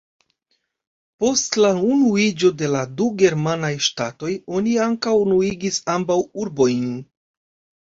Post la unuiĝo de la du germanaj ŝtatoj oni ankaŭ unuigis ambaŭ urbojn.